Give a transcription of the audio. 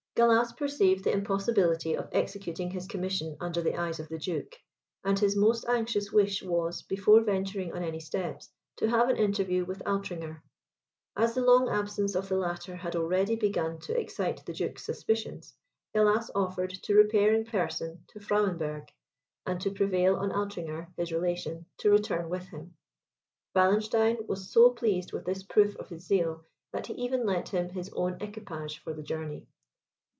Gallas perceived the impossibility of executing his commission under the eyes of the duke; and his most anxious wish was, before venturing on any steps, to have an interview with Altringer. As the long absence of the latter had already begun to excite the duke's suspicions, Gallas offered to repair in person to Frauenberg, and to prevail on Altringer, his relation, to return with him. Wallenstein was so pleased with this proof of his zeal, that he even lent him his own equipage for the journey.